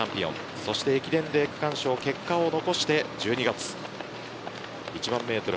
そして駅伝で区間賞と結果を残して１２月１万メートル